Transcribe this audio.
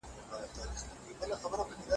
موږ باید د ټولني ذوق ته سم لوری ورکړو.